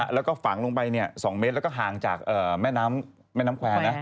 แล้วก็ฝังลงไป๒เมตรแล้วก็ห่างจากแม่น้ำแม่น้ำแควร์นะ